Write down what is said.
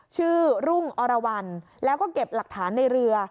รุ่งอรวรรณแล้วก็เก็บหลักฐานในเรือ